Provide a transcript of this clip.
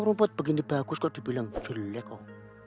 rumput begini bagus kok dibilang jelek kok